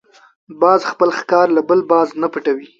باز خپل ښکار له بل باز نه پټوي